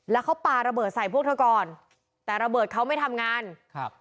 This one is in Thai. แล้วเขาปลาระเบิดใส่พวกเธอก่อนแต่ระเบิดเขาไม่ทำงานครับ